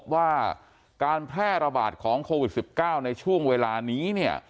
ว่าการแพร่ระบาดของโควิด๑๙ในช่วงเวลานี้